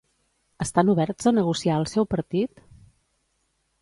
Estan oberts a negociar al seu partit?